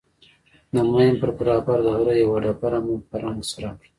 د ماين پر برابر د غره يوه ډبره مو په رنگ سره کړه.